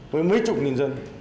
với mấy chục nghìn dân